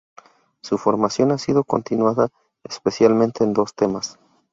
Su formación ha sido continuada especialmente en dos temas.